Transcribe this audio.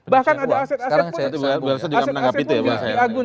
bahkan ada aset aset pun diagunkan